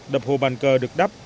đập hồ bàn cờ được đắp